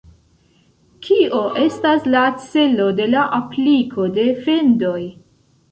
Kio estas la celo de la apliko de fendoj?